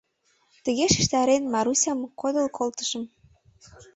Тыге шижтарен, Марусям кодыл колтышым.